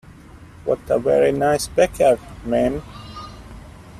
What a very nice backyard, ma'am!